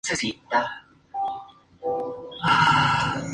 Ocho selecciones de historias de "If" han sido publicadas.